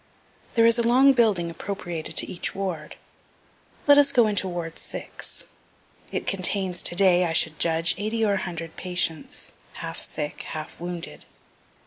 There is a long building appropriated to each ward. Let us go into ward 6. It contains, to day, I should judge, eighty or a hundred patients, half sick, half wounded.